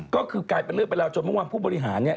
ก็คือกลายเป็นเรื่องไปแล้วจนบางวันผู้บริหารเนี่ย